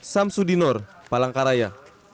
sam sudinor palangkaraya